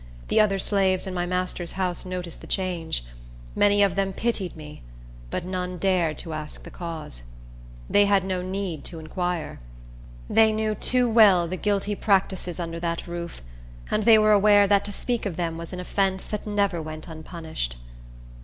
The other slaves in my master's house noticed the change. Many of them pitied me; but none dared to ask the cause. They had no need to inquire. They knew too well the guilty practices under that roof; and they were aware that to speak of them was an offence that never went unpunished.